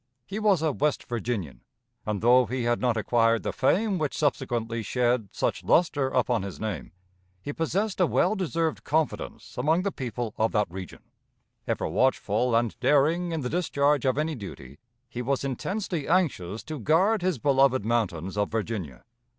He was a West Virginian; and, though he had not acquired the fame which subsequently shed such luster upon his name, he possessed a well deserved confidence among the people of that region. Ever watchful and daring in the discharge of any duty, he was intensely anxious to guard his beloved mountains of Virginia.